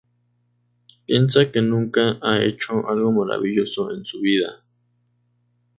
Piensa que nunca ha hecho algo maravilloso en su vida".